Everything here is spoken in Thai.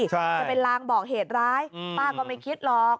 จะเป็นลางบอกเหตุร้ายป้าก็ไม่คิดหรอก